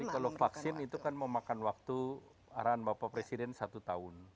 jadi kalau vaksin itu kan memakan waktu arahan bapak presiden satu tahun